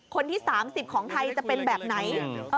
คนที่๓๐ของไทยจะเป็นแบบไหน